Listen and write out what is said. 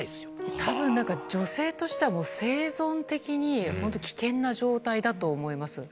たぶん、なんか女性としては、もう生存的に本当、危険な状態だと思います。